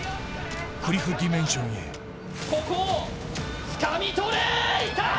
クリフディメンションにここをつかみとれ。